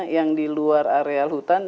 yang di luar areal hutan